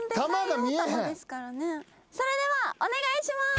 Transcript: それではお願いします。